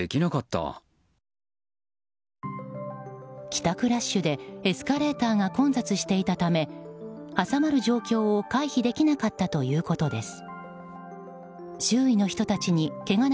帰宅ラッシュでエスカレーターが混雑していたため挟まる状況を回避できなかったということです。